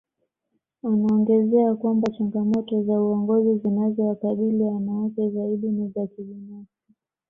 Anaongezea kwamba changamoto za uongozi zinazowakabili wanawake zaidi ni za kibinafsi